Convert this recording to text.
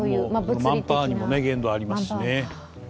マンパワーにも限度ありますしね。